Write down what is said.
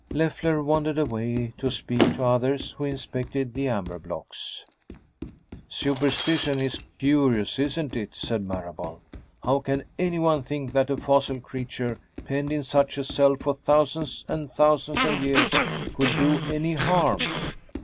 Leffler wandered away, to speak to others who inspected the amber blocks. "Superstition is curious, isn't it?" said Marable. "How can anyone think that a fossil creature, penned in such a cell for thousands and thousands of years, could do any harm?"